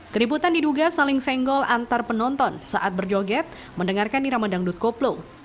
keributan diduga saling senggol antar penonton saat berjoget mendengarkan iramandang koplo